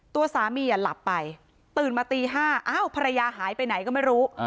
ตัวสามีหลับไปตื่นมาตี๕อ้าวภรรยาหายไปไหนก็ไม่รู้